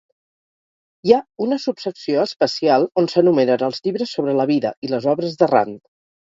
Hi ha una subsecció especial on s'enumeren els llibres sobre la vida i les obres de Rand.